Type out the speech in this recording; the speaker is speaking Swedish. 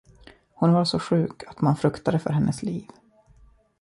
Hon var så sjuk, att man fruktade för hennes liv.